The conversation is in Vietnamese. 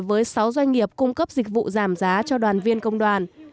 với sáu doanh nghiệp cung cấp dịch vụ giảm giá cho đoàn viên công đoàn